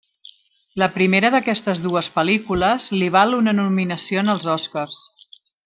La primera d'aquestes dues pel·lícules li val una nominació en els Oscars.